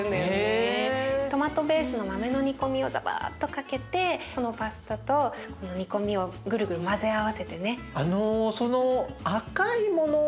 トマトベースの豆の煮込みをザバッとかけてこのパスタと煮込みをぐるぐる混ぜ合わせてね。